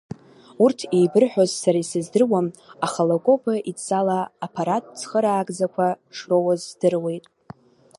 Урҭ еибырҳәоз сара исыздыруам, аха Лакоба идҵала аԥаратә цхыраагӡақәа шроуаз здыруеит.